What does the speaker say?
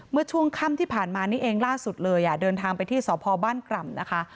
เมื่อช่วงค่ำที่ผ่านมานี่เองล่าสุดเลยอ่ะเดินทางไปที่สพบ้านกร่ำนะคะ